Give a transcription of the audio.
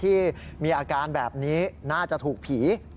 ที่มีอาการแบบนี้น่าจะถูกผี